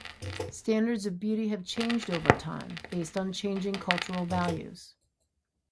Standards of beauty have changed over time, based on changing cultural values.